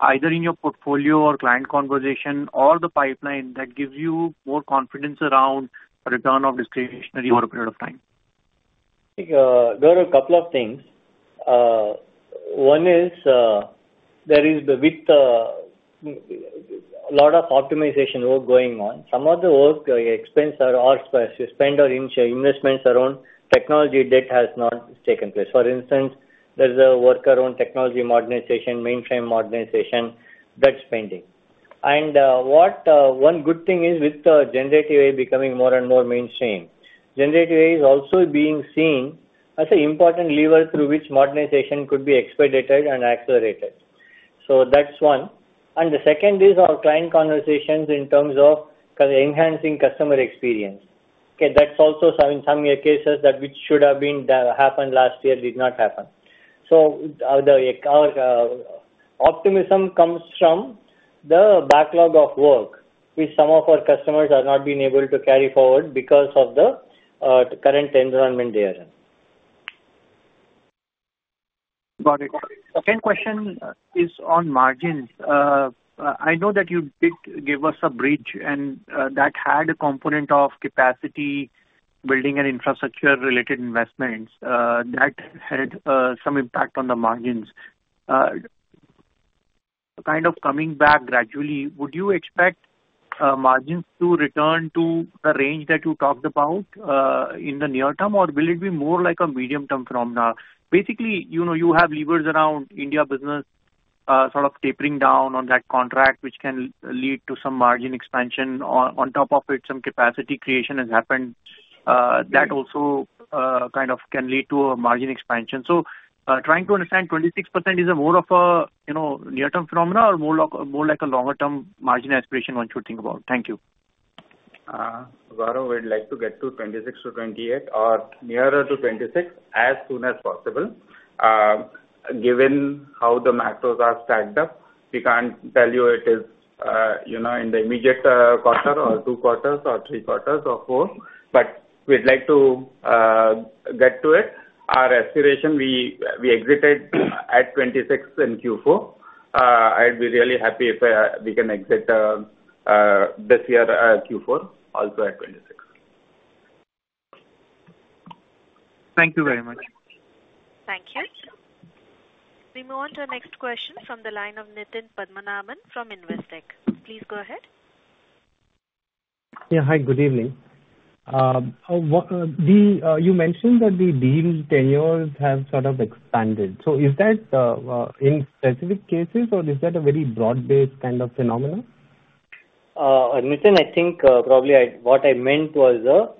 either in your portfolio or client conversation or the pipeline that gives you more confidence around return of discretionary over a period of time? There are a couple of things. One is there is a lot of optimization work going on. Some of the work, expense, or spend or investments around technology debt has not taken place. For instance, there's work around technology modernization, mainframe modernization that's pending. One good thing is with Generative AI becoming more and more mainstream, Generative AI is also being seen as an important lever through which modernization could be expedited and accelerated. That's one. The second is our client conversations in terms of enhancing customer experience. Okay? That's also in some cases that should have happened last year did not happen. Our optimism comes from the backlog of work which some of our customers have not been able to carry forward because of the current environment they are in. Got it. Second question is on margins. I know that you did give us a bridge, and that had a component of capacity building and infrastructure-related investments. That had some impact on the margins. Kind of coming back gradually, would you expect margins to return to the range that you talked about in the near term, or will it be more like a medium-term phenomena? Basically, you have levers around India business sort of tapering down on that contract, which can lead to some margin expansion. On top of it, some capacity creation has happened. That also kind of can lead to a margin expansion. So trying to understand, 26% is more of a near-term phenomena or more like a longer-term margin aspiration one should think about? Thank you. Gaurav, we'd like to get to 26%-28% or nearer to 26% as soon as possible. Given how the macros are stacked up, we can't tell you it is in the immediate quarter or two quarters or three quarters or four, but we'd like to get to it. Our aspiration, we exited at 26 in Q4. I'd be really happy if we can exit this year Q4 also at 26. Thank you very much. Thank you. We move on to our next question from the line of Krithivasan K. from Investec. Please go ahead. Yeah. Hi. Good evening. You mentioned that the deal tenures have sort of expanded. So is that in specific cases, or is that a very broad-based kind of phenomena? Nithin, I think probably what I meant was the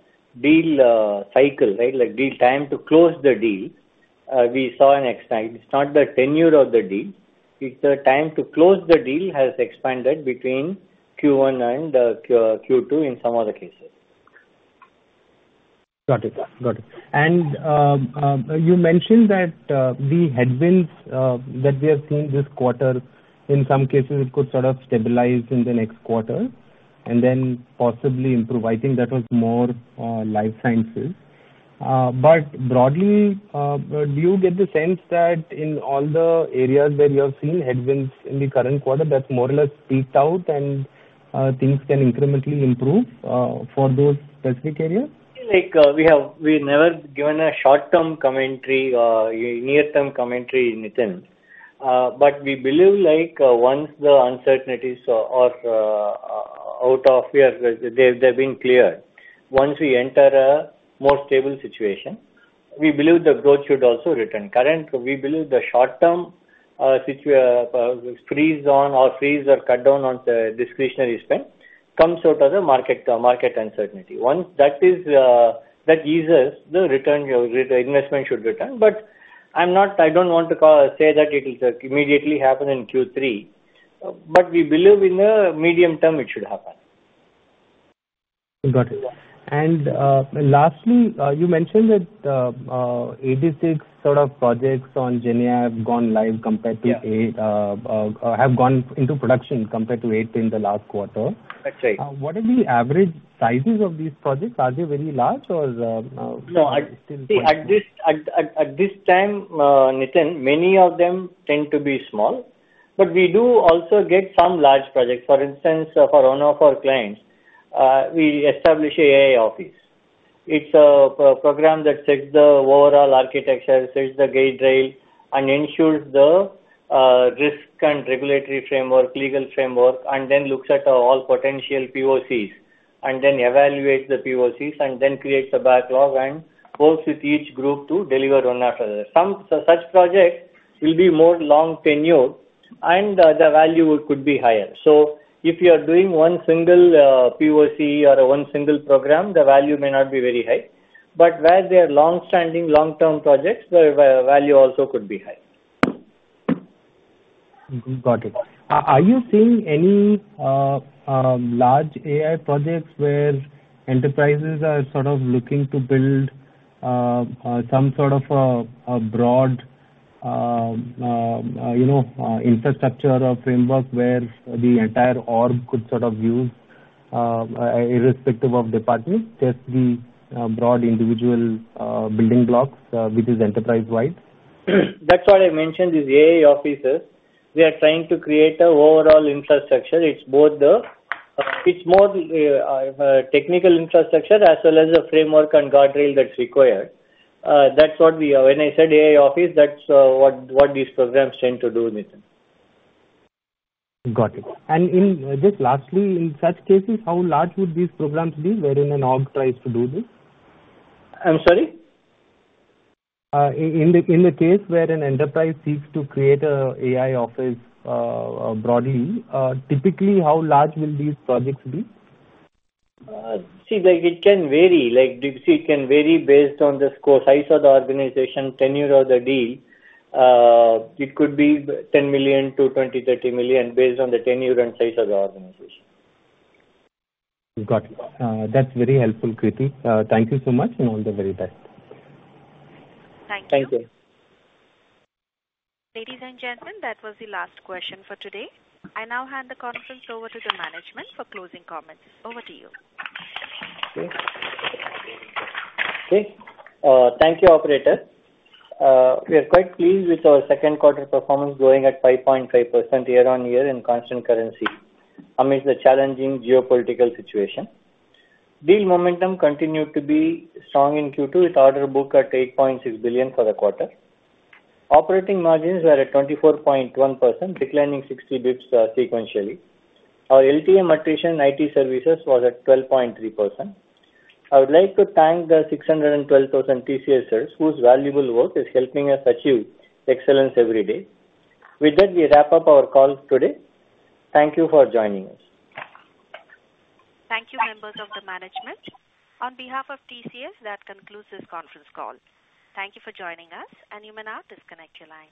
deal cycle, right? Deal time to close the deal, we saw an extent. It's not the tenure of the deal. It's the time to close the deal has expanded between Q1 and Q2 in some other cases. Got it. Got it. You mentioned that the headwinds that we have seen this quarter, in some cases, it could sort of stabilize in the next quarter and then possibly improve. I think that was more life sciences. But broadly, do you get the sense that in all the areas where you have seen headwinds in the current quarter, that's more or less peaked out and things can incrementally improve for those specific areas? We never given a short-term commentary, near-term commentary, Nithin. But we believe once the uncertainties are out of here, they've been cleared, once we enter a more stable situation, we believe the growth should also return. Currently, we believe the short-term freeze on or freeze or cut down on the discretionary spend comes out of the market uncertainty. That eases the return. Investment should return. But I don't want to say that it will immediately happen in Q3, but we believe in the medium term it should happen. Got it. And lastly, you mentioned that 86 sort of projects on GenAI have gone live compared to have gone into production compared to eight in the last quarter. That's right. What are the average sizes of these projects? Are they very large or still? No. At this time, Nithin, many of them tend to be small, but we do also get some large projects. For instance, for one of our clients, we establish an AI office. It's a program that sets the overall architecture, sets the guardrail, and ensures the risk and regulatory framework, legal framework, and then looks at all potential POCs and then evaluates the POCs and then creates a backlog and works with each group to deliver one after the other. Such projects will be more long tenure, and the value could be higher. So if you are doing one single POC or one single program, the value may not be very high. But where they are long-standing, long-term projects, the value also could be high. Got it. Are you seeing any large AI projects where enterprises are sort of looking to build some sort of a broad infrastructure or framework where the entire org could sort of use irrespective of department, just the broad individual building blocks with this enterprise-wide? That's what I mentioned with AI offices. We are trying to create an overall infrastructure. It's more technical infrastructure as well as a framework and guardrail that's required. That's what we are. When I said AI office, that's what these programs tend to do, Nithin. Got it. And just lastly, in such cases, how large would these programs be wherein an org tries to do this? I'm sorry? In the case where an enterprise seeks to create an AI office broadly, typically, how large will these projects be? See, it can vary. See, it can vary based on the scope, size of the organization, tenure of the deal. It could be $10 million to $20-$30 million based on the tenure and size of the organization. Got it. That's very helpful, Krithivasan. Thank you so much and all the very best. Thank you. Thank you. Ladies and gentlemen, that was the last question for today. I now hand the conference over to the management for closing comments. Over to you. Okay. Thank you, operator. We are quite pleased with our second-quarter performance growing at 5.5% year-on-year in constant currency amidst the challenging geopolitical situation. Deal momentum continued to be strong in Q2 with order book at $8.6 billion for the quarter. Operating margins were at 24.1%, declining 60 basis points sequentially. Our LTM attrition in IT services was at 12.3%. I would like to thank the 612,000 TCSers whose valuable work is helping us achieve excellence every day. With that, we wrap up our call today. Thank you for joining us. Thank you, members of the management. On behalf of TCS, that concludes this conference call. Thank you for joining us, and you may now disconnect your line.